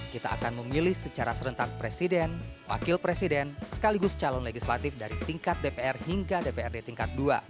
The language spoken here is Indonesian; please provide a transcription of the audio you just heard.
kita akan memilih secara serentak presiden wakil presiden sekaligus calon legislatif dari tingkat dpr hingga dprd tingkat dua